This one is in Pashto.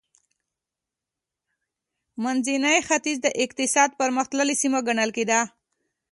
منځنی ختیځ د اقتصاد پرمختللې سیمه ګڼل کېده.